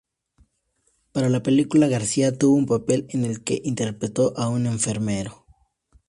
Para la película García tuvo un papel en el que interpretó a un enfermero.